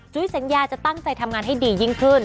สัญญาจะตั้งใจทำงานให้ดียิ่งขึ้น